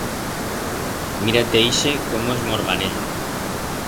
Mira-te ixe como esmorganeya.